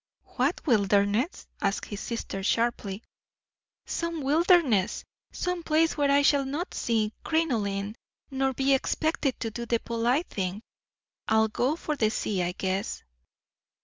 "What wilderness?" asked his sister sharply. "Some wilderness some place where I shall not see crinoline, nor be expected to do the polite thing. I'll go for the sea, I guess."